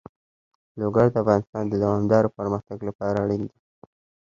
لوگر د افغانستان د دوامداره پرمختګ لپاره اړین دي.